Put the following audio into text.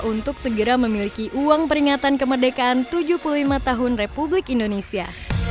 untuk segera memiliki uang peringatan kemerdekaan tujuh puluh lima tahun republik indonesia